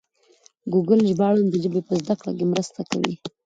ګوګل ژباړن د ژبې په زده کړه کې مرسته کوي.